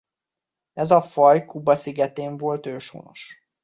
Ez a faj Kuba szigetén volt őshonos.